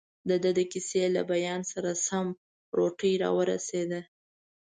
دده د کیسې له بیان سره سم، روټۍ راورسېده.